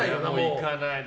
行かない。